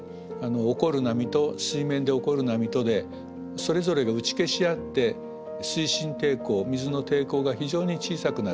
起こる波と水面で起こる波とでそれぞれが打ち消し合って推進抵抗水の抵抗が非常に小さくなる。